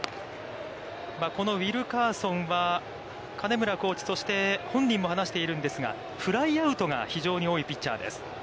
このウィルカーソンは、金村コーチとして、本人も話しているんですが、フライアウトが非常に多いピッチャーです。